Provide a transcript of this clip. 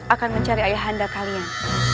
akan mencari ayahanda kalian